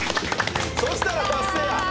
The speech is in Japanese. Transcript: そしたら達成や！